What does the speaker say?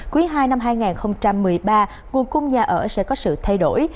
cuối hai năm hai nghìn một mươi ba nguồn cung nhà ở sẽ có sự thay đổi